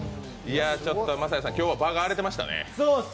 晶哉さん、今日は場が荒れてましたね。